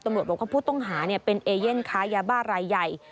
บอกว่าผู้ต้องหาเป็นเอเย่นค้ายาบ้ารายใหญ่